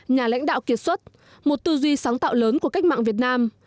nhà lãnh đạo kiệt xuất một tư duy sáng tạo lớn của cách mạng việt nam